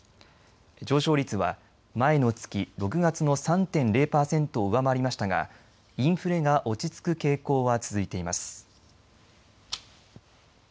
上昇率は前の月、６月の３．０パーセントを上回りましたがインフレが落ち着く傾向は続いています。